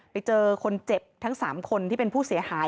ไปเจอคนเจ็บทั้ง๓คนที่เป็นผู้เสียหาย